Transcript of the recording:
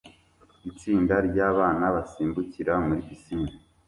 Itsinda ryabana basimbukira muri pisine